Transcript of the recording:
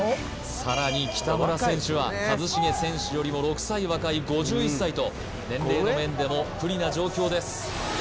さらに北村選手は一茂選手よりも６歳若い５１歳と年齢の面でも不利な状況です